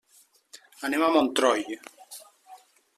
Anem a Montroi.